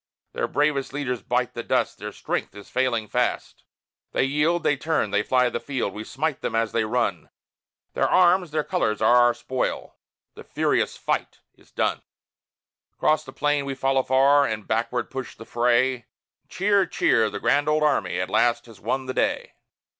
Their bravest leaders bite the dust, their strength is failing fast; They yield, they turn, they fly the field: we smite them as they run; Their arms, their colors are our spoil; the furious fight is done! Across the plain we follow far and backward push the fray; Cheer! cheer! the grand old Army at last has won the day!